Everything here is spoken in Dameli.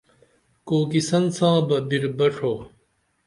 کوکیسن ساں بہ بیر بڇھو